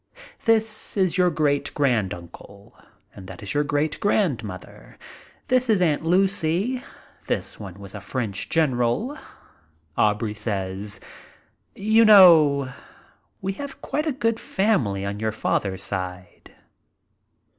"This is your great granduncle and that is your great grandmother. This is Aunt Lucy. This one was a French general." Aubrey says: "You know we have quite a good family on your father's side."